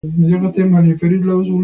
د زابل ولایت بادم ډېر شهرت لري.